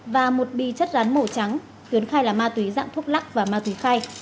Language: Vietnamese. và một bi chất rắn màu trắng tuyến khai là ma túy dạng thuốc lắc và ma túy khai